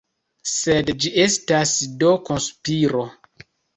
Sed ĝi estas do konspiro!